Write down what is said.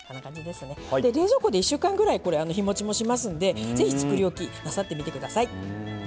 で冷蔵庫で１週間ぐらいこれ日もちもしますんで是非作り置きなさってみてください。